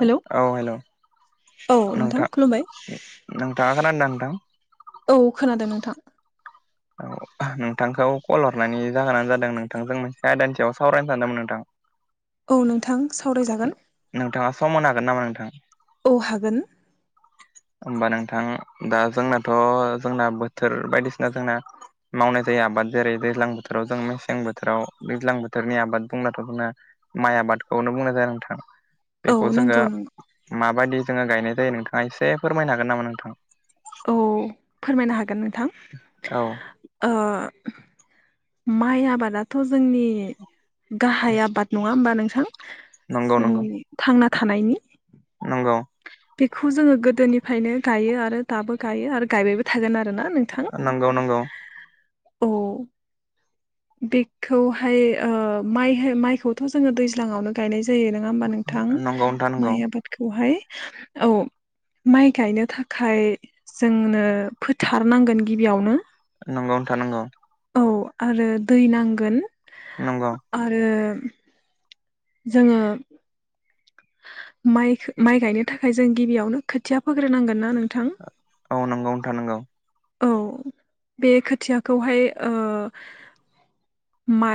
Hello औ hello औ नोंथां खुलुमबाय नोंथाङा खोनादों नोंथां औ खोनादों नोंथां औ नोंथांखौ कल हरनानै जाहोनानो जादों नोंथांजों मोनसे आयदानि सयाव सावरायनो सानदोंमोन नोंथां औ नोंथां सावरायजागोन नोंथाङा सम होनो हागोन नामा नोंथां औ हागोन [inaudible] होमबा नोंथां दा जोंनाथ' जोंना बोथोर बायदिसिना जोंना मावनाय जायो आबाद जेरै दैज्लां बोथोराव जों मेसें बोथोराव दैज्लां बोथोरनि आबाद बुंब्लाथ' माइ आबादखौनो बुंनाय जायो नोंथां औ बेखौ जोङो नंगौ नंगौ माबायदि जोङो गायनाय जायो नोंथाङा एसे फोरमायनो हागोन नामा नोंथां औ फोरमायनो हागोन नोंथां औ आ माइ आबादाथ' जोंनि गाहाय आबाद नङा होमबा नोंथां नंगौ नंगौ जोंनि थांना थानायनि नंगौ बेखौ जोङो गोदोनिफ्रायनो गायो आरो दाबो गायो आरो गायबायबो थागोन आरोना नोंथां नंगौ नंगौ औ बेखौहाय ओ माइहो माइखौथ' जोङो दैज्लाङावनो गायनाय जायो नङा होमबा नोंथां नंगौ नोंथां नंगौ माइ आबादखौहाय औ माइ गायनो थाखाय जोंनो फोथारनांगोन गिबियावनो नंगौ नोंथां नंगौ औ आरो दै नांगोन नंगौ आरो जोङो माइखो माइ गायनो थाखाय जों गिबियावनो खोथिया फोग्रोनांगोन ना नोंथां औ नंगौ नोंथां नोंगौ औ बे खोथियाखौहाय ओ मा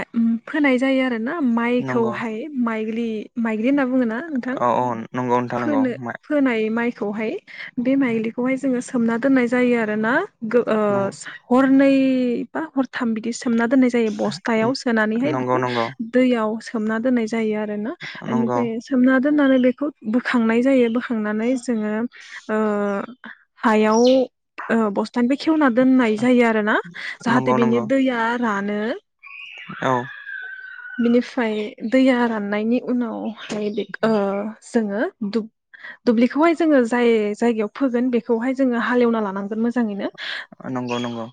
फोनाय जायो आरो ना नंगौ माइखौहाय माइलि माइलि होनना बुङो ना औ औ नंगौ नोंथां नंगौ। होनाय माइखौहाय बे माइलिखौहाय जोङो सोमना दोननाय जायो आरोना गो ओ नंगौ हरनै बा हरथाम बिदि सोमना दोननाय जायो बस्थायाव सोनानैहाय बेखौ नंगौ दैयाव सोमना दोननाय जायो आरो ना नंगौ बेनिफ्राय सोमना दोननानै बेखौ बोखांनाय जायो बोखांनानै जोङो ओ हायाव ब दा बे खेवना दोननाय जायो आरो ना नंगौ जाहाथे नंगौ बिनि दैया रानो औ बिनिफ्राय दैया राननायनि उनावहाय बे जोङो दुब्लिखौहाय जोङो जाय जायगायाव फोगोन बेखौहाय जोङो हालेवना लानांगोन मोजाङैनो नंगौ नंगौ।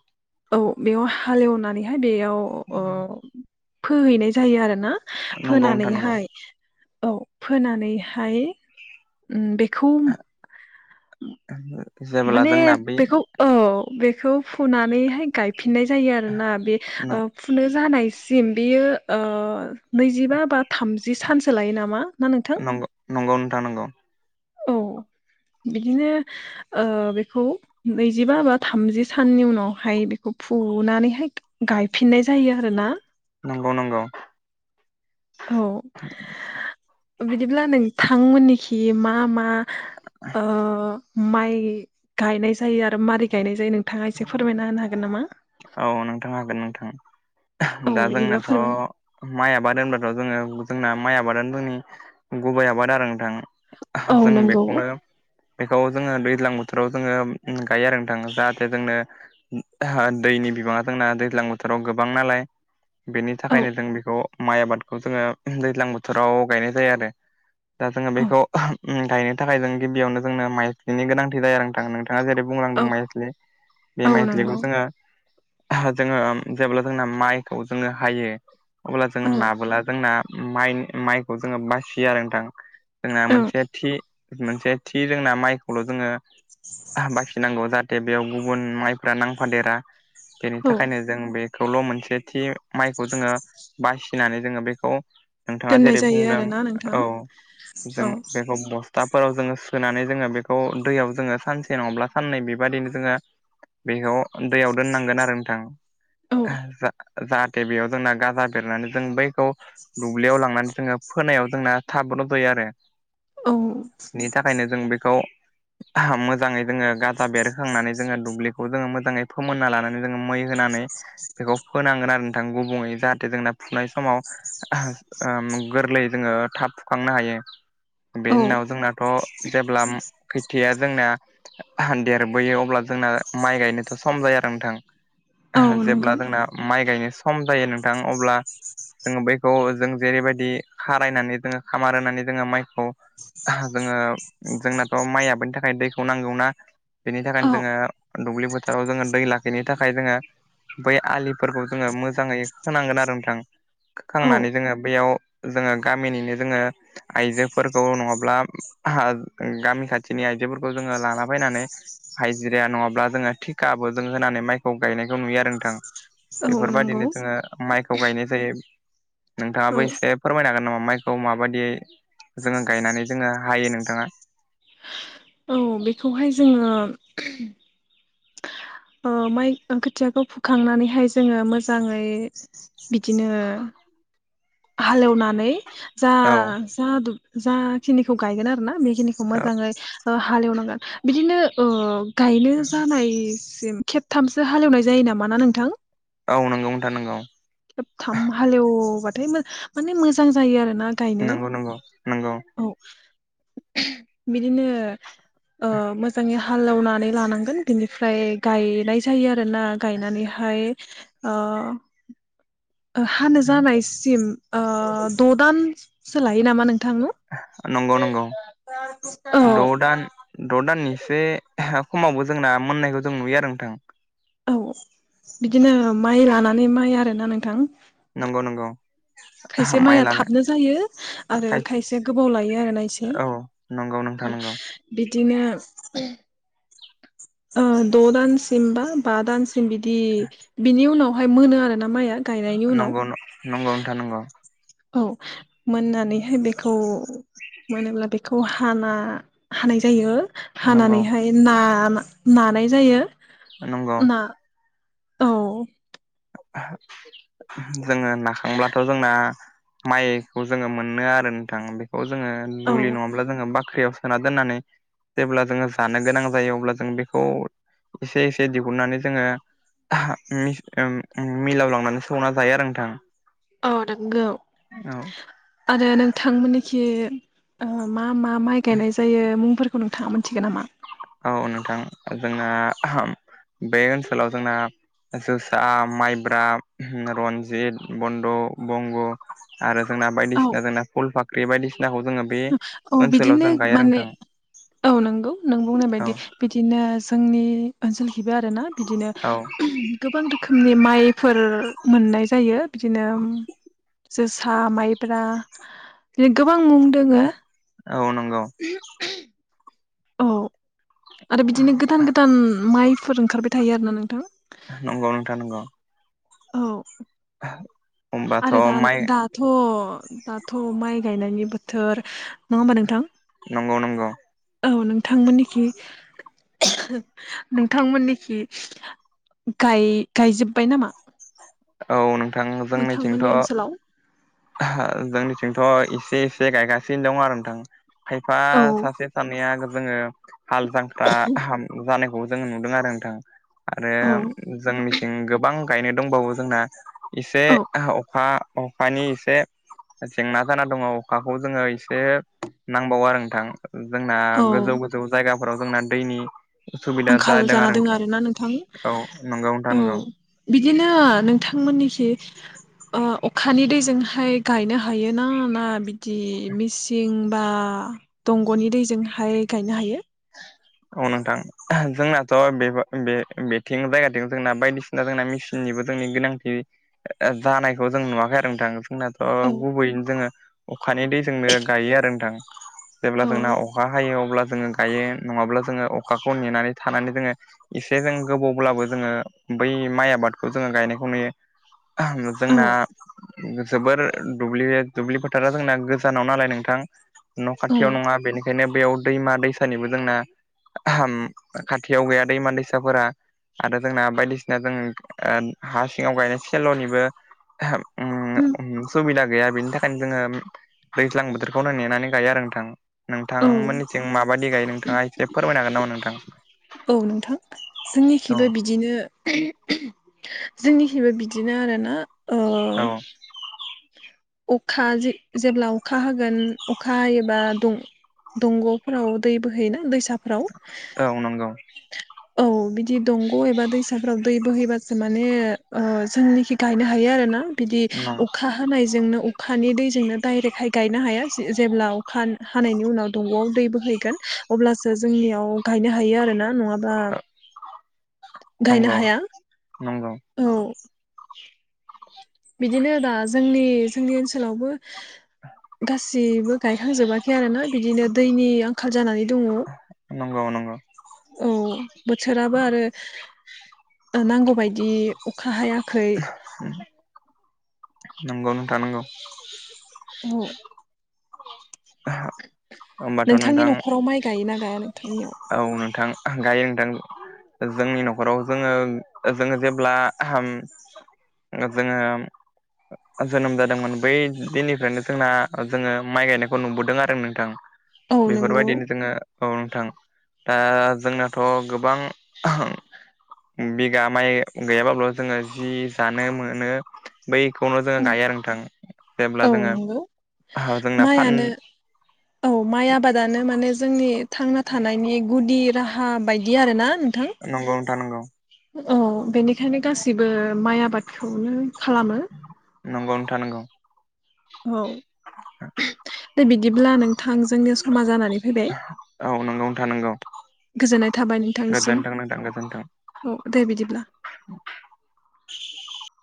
औ बेयाव हालेवनानैहाय बेयाव फोहैनाय जायो आरो ना। नंगौ नोंथां नंगौ। औ फोनानैहाय बेखौ [inaudible] माने जोंना बे बेखौ औ बेखौ फुनानैहाय गायफिननाय जायो आरोना बे फुनो जानायसिम बेयो नैजिबा बा थामजि सानसो लायो नामा? ना नोंथां नंगौ नंगौ नोंथा नंगौ। औ बिदिनो बेखौ नैजिबा बा थामजि साननि उनावहाय बेखौ फुनानैहाय गायफिननाय जायो आरोना। नंगौ नंगौ। औ बिदिब्ला नोंथांमोननिखि मा मा ओ माइ गायनाय जायो आरो मारै गायनाय जायो नोंथाङा एसे फोरमायना होनो हागोन नामा? औ नोंथां हागोन नोंथां औ दा बिदिब्ला फोरमाय जोंनाथ' माइ आबाद होनब्लाथ' जोङो जोंना माइ आबादानो जोंनि गुबै आबाद आरो नोंथां। औ जों नंगौ बेखौनो बेखौ जोङो दैज्लां बोथोराव जोङो गायो आरो नोंथां जाहाथे जोंनो दैनि बिबाङा दोंना दैज्लां बोथोराव गोबां नालाय बेनि औ थाखायनो जों बेखौ माइ आबादखौ जोङो दैज्लां बोथोराव गायनाय जायो आरो दा जोङो औ बेखौ गायनो थाखाय जों गिबियावनो जोंनो माइज्लिनि गोनांथि जाया नोंथाङा नोंथाङा जेरै बुंलांदों औ माइज्लि बे औ माइज्लिखौ नंगौ जोङो जोङो जेब्ला जोंना माइखौ जोङो हायो अब्ला औ जोङो औ नाबोला जोंना माइ माइखौ जोङो बासियो आरो नोंथां। जोंना मोनसे थि मोनसे थि जोंना माइखौल' जोङो बाखिनांगौ जा जे बेयाव गुबुन माइफ्रा नांफादेरा बेनि औ थाखायनो जों बे खौल' मोनसे थि माइखौ जोङो बासिनानै जोङो बेखौ नोंथाङा दोननाय जेरै जायो बुंदों आरोना नोंथां औ जों औ बेखौ बस थाफोराव जोङो सोनानै जोङो बेखौ दैयाव जोङो सानसे नङाब्ला साननै बेबायदिनो जोङो बेखौ दैयाव दोननांगोन आरो औ नोंथां जा जाहाथे बेयाव जोंना गाजा बेरनानै जों बैखौ दुब्लियाव लांनानै जोङो फोनायाव जोंना थाब रज'यो आरो। औ बेनि थाखायनो जों बेखौ मोजाङै जोङो गाजा बेरखांनानै जोङो दुब्लिखौ जोङो मोजाङै फोमोनना लानानै जोङो मै होनानै बेखौ फोनांगोन आरो नोंथां गुबुङै जाहाथे जोंना फुनाय समाव गोरलै जोङो थाब फुखांनो हायो। औ बेनि उनाव जोंनाथ' जेब्ला खोथिया जोंना देरबोयो अब्ला जोंना माइ गायनो सम जाया आरो नोंथां औ नंगौ जेब्ला जोंना माइ गायनो सम जायो नोंथां अब्ला जोङो बैखौ जों जेरैबायदि खारायनानै जोङो खामार होनानै जोङो माइखौ ओहो जोङो जोंनाथ' माइ आबादनि थाखाय दैखौ नांगौना बेनि थाखायनो औ जोङो दुब्लि बोथोराव जोङो दै लाखिनो थाखाय जोङो बै आलिफोरखौ जोङो मोजाङै खोनांगोन आरो नोंथां औ खोखांनानै जोङो बेयाव जोङो गामिनिनो जोङो आइजोफोरखौ नङाब्ला गामि खाथिनि आइजोफोरखौ जोङो लाना फैनानै हाइजिरिया नङाब्ला जोङो थिग गाबो जोङो होनानै माइखौ गायनायखौ नुयो आरो नोंथां औ नंगौ बेफोरबायदिनो जोङो माइखौ गायनाय जायो नोंथाङाबो औ एसे फोरमायनो हागोन नामा माइखौ माबायदि जोङो गायनानै जोङो हायो नोंथाङा औ बेखौहाय जोङो ओ माइ खोथियाखौ फुखांनानैहाय जोङो मोजाङै बिदिनो हालेवनानै जा औ जा दुब जाखिनिखौ गायगोन आरो ना बेखिनिखौ मोजाङै हालेवनांगोन बिदिनो ओ गायनो जानायसिम खेब थामसो हालेवनाय जायो नामा ना नोंथां? औ नोंगौ नोंथां नोंगौ खेबथाम हालेवबाथाय मोन माने मोजां जायो आरो ना गायनो नंगौ नंगौ नंगौ औ बिदिनो ओ मोजाङै हा हालैनानै लानांगोन बिनिफ्राय गायनाय जायो आरो ना गायनानैहाय ओ हानो जानायसिम ओ द' दानसो लायो नामा नोंथां नु? नोंगौ नोंगौ औ द' दान द' दाननि एसे खमावबो जोंना मोननायखौ जों नुयो आरो नोंथां। औ बिदिनो माइ लानानै माइ आरोना नोंथां। नोंगौ नोंगौ। खायसे माइया थाबनो जायो आरो खायसे गोबाव लायो आरो ना इसे नोंगौ नोंथां नोंगौ बिदिनो ओ द' दान सिमबा बा दान सिम बिदि बिनि उनावहाय मोनो आरो ना माइया गायनायनि उनाव नंगौ नंगौ नोंथां नंगौ औ मोननानैहाय बेखौ मोनोब्ला बेखौ हाना हानाय जायो। नंगौ हानानैहाय ना-नानाय जायो। नोंगौ ना औ [inaudible] जोङो नाखांब्लाथ' जोंना माइखौ जोङो मोनो आरो नोंथां बे खौ जोङो औ दुलि नङाब्ला जोङो बाख्रियाव सोना दोननानै जेब्ला जोङो जानो गोनां जायो अब्ला जों बेखौ एसे एसे दिहुननानै जोङो मिस उम उम मिलावलांनानै सौना जायो आरो नोंथां। औ नोंगौ औ आरो नोंथांमोननिखि मा मा माइ गायनाय जायो मुंफोरखौ नोंथाङा मोनथिगोन नामा? औ नोंथां जोंना बे ओनसोलाव जोंना जोसा माइब्रा रनजित बन्द' बंग'। आरो जोंना औ बायदिसिना जोंना फुल फाख्रि बायदिसिनाखौ जोङो। बे औ ओनसोलाव बिदिनो जों गाया माने नोंथां औ नंगौ नों बुंनाय औ बायदि बिदिनो जोंनि ओनसोलथिं आरो ना बिदिनो औ गोबां रोखोमनि माइफोर मोननाय जायो। बिदिनो जोसा माइब्रा बि गोबां मुं दोङो औ नोंगौ। औ आरो बिदिनो गोदान गोदान माइफोर ओंखारबाय थायो आरोना नोंथां। नंगौ नोंथां नंगौ औ होमबाथ' आरो माइ दाथ' दाथ' माइ गायनायनि बोथ थ नङा होमबा नोंथां। नंगौ नंगौ। औ नोंथांमोननिखि नोंथांमोननिखि गायजोब्बाय नामा। औ नोंथां नोंथांमोननि जोंनिथिंथ'। ओनसोलाव जोंनिथिंथ' एसे एसे गायगासिनो दं आरो नोंथां। खायफा औ सासे सानैया जोङो। हाल जांख्रा जानायखौ जोङो नुदों आरो नोंथां। आरो औ जों मिथिं गोबां गायनो दंबावो जोंना एसे औ अखा। अखानि इसे। जेंना जाना दङ अखाखौ जोङो एसे नांबावो आरो नोंथां। जोंना औ गोजौ गोजौ जायगाफोराव जोंना दैनि। उसुबिदा आंखाल जादों जाना आरो दङ आरोना नोंथां औ नंगौ नोंथां औ। नंगौ। बिदिनो नोंथांमोननिखि। अखानि दैजोंहाय गायनो हायोना ना बिदि मेसिन बा दंग'नि दैजोंहाय गायनो हायो। औ नोंथां। जोंनाथ' बे बेथिं जायगाथिं जोंना बायदिसिना जोंना मेसिननिबो जोंनि गोनांथि। जानायखौ जों नुवाखै आरो नोंथां। जोंनाथ' औ गुबैयैनो जोङो अखानि दैजोंनो गायो आरो नोंथां जेब्ला जोंना। अखा हायो अब्ला जोङो गायो नङाब्ला जोङो अखाखौ नेनानै थानानै जोङो। एसे जों गोबावब्लाबो जोङो बै माइ आबादखौ जोङो गायनायखौ नुयो। औ जोंना जोबोर दुब्लि। दुब्लि फोथारा जोंना गोजानाव नालाय नोंथां न' औ खाथियाव नङा बेनिखायनो बेयाव दैमा दै सानिबो जोंना खाथियाव गैया दैमा दैसाफोरा। आरो जोंना बायदिसिना जों हा सिङाव गायनाय सेल'निबो। सुबिदा गैया बेनि थाखायनो जोङो दैज्लां बोथोरखौनो नेनानै गायो आरो नोंथां। औ नोंथांमोननिथिं माबायदि गायो नोंथाङा एसे फोरमायनो हागोन नामा नोंथां। औ नोंथां जोंनिखिबो बिदिनो। जोंनिखिबो बिदिनो आरोना। ओ औ। अखा जेब्ला अखा होगोन अखा हायोबा दं। दंग'फोराव दै बोहैना। औ औ नंगौ औ बिदि दंग' एबा दैसाफोराव दै बोहैबा माने जोंनिखि गायनो हायो आरो ना बिदि अखा हानायजोंनो अखानि दैजोंनो डाइरेक्टहाय गायनो हाया जेब्ला अखा हानायनि उनाव दंग'आव दै बोहैगोन अब्लासो जोंनियाव गायनो हायो आरो ना नङाबा औ। गायनो हाया नंगौ औ। बिदिनो दा जोंनि जोंनि ओनसोलावबो गासै। जेबो गायखांजोबाखै आरो ना बिदिनो दैनि आंखाल जानानै दङ। नंगौ औ बोथोराबो आरो नांगौबायदि अखा हायाखै। [inaudible] नंगौ नोंथा नंगौ। औ। [inaudible] होमबाथ' नोंथांनि नोंथां न'खराव माइ गायोना गाया नोंथांनियाव। औ नोंथां गायो नोंथां। जोंनि न'खराव जोङो जोङो जेब्ला। जोंङो। जोनोम जादोंमोन बै दिननिफ्रायनो जोंना जोङो माइ गायनायखौ नुबोदों आरो नोंथां‌। औ नंगौ बेफोरबायदिनो जोङो औ नोंथां। दा जोंनाथ' गोबां बिगा माइ गैयाब्लाल' जोङो जि जानो मोनो बैखौनो जोङो गाया आरो नोंथां जेब्ला औ जोङो नंगौ जोंना फान माइआनो [inaudible] औ माइ आबादानो माने जोंनि थांना थानायनि गुदि राहा बायदि आरो ना। नंगौ था नांगौ। औ बेनिखायनो गासिबो माइ आबादखौनो खालामो नंगौनो थानांगौ। औ दे बिदिब्ला नों थां जोंनि समा जानानै फैबाय। औ नंगौ नोंथां नंगौ गोजोननाय थाबाय नोंथांनिसिम गोजोनथों नोंथां गोजोनथों। औ दे बिदिब्ला।